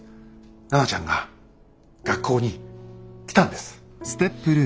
奈々ちゃんが学校に来たんです。